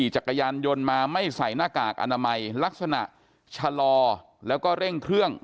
จักรยานยนต์มาไม่ใส่หน้ากากอนามัยลักษณะชะลอแล้วก็เร่งเครื่อง